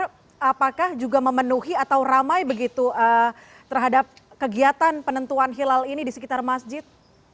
bagaimana anda melihat masyarakat sekitar apakah juga memenuhi atau ramai begitu terhadap kegiatan penentuan hilal ini di sekitar masjid